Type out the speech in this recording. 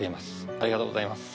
ありがとうございます